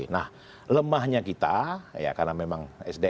nah lemahnya kita ya karena memang sdm kita agak keras